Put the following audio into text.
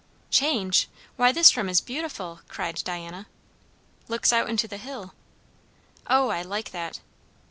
"Change? why, this room is beautiful!" cried Diana. "Looks out into the hill." "O, I like that."